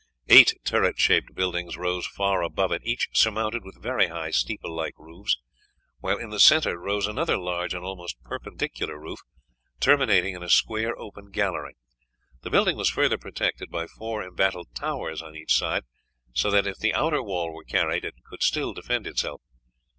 Eight turret shaped buildings rose far above it, each surmounted with very high steeple like roofs, while in the centre rose another large and almost perpendicular roof, terminating in a square open gallery. The building was further protected by four embattled towers on each side, so that if the outer wall were carried it could still defend itself.